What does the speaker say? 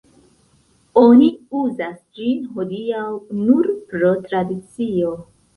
Oni uzas ĝin hodiaŭ nur pro tradicio.